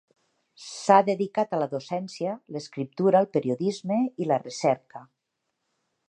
S’ha dedicat a la docència, l’escriptura, el periodisme, i la recerca.